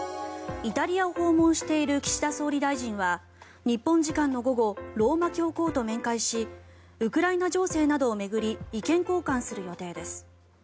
イタリアを訪問している岸田総理大臣は日本時間の午後ローマ教皇と面会しウクライナ情勢などを巡り意見交換する予定です。